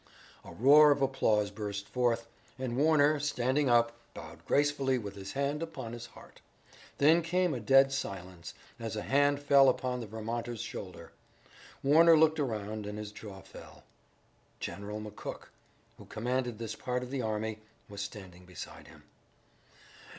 A roar of applause burst forth, and Warner, standing up, bowed gracefully with his hand upon his heart. Then came a dead silence, as a hand fell upon the Vermonter's shoulder. Warner looked around and his jaw fell. General McCook, who commanded this part of the army, was standing beside him.